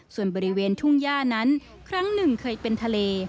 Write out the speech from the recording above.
ส่วนบริเวณทุ่งย่านั้นครั้งหนึ่งเคยเป็นทะเล